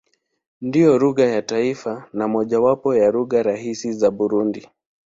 Ndiyo lugha ya taifa na mojawapo ya lugha rasmi za Burundi.